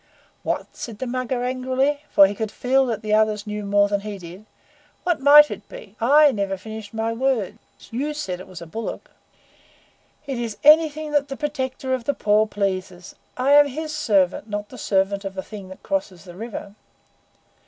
"What?" said the Mugger angrily, for he could feel that the others knew more than he did. "What might it be? I never finished my words. You said it was a bullock." "It is anything the Protector of the Poor pleases. I am HIS servant not the servant of the thing that crosses the river."